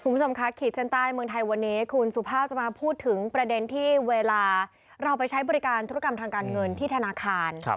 คุณผู้ชมค่ะขีดเส้นใต้เมืองไทยวันนี้คุณสุภาพจะมาพูดถึงประเด็นที่เวลาเราไปใช้บริการธุรกรรมทางการเงินที่ธนาคาร